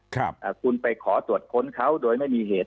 อ่าคุณไปขอตรวจค้นเขาโดยไม่มีเหตุ